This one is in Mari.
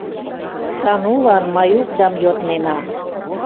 Санулан Маюкдам йоднена...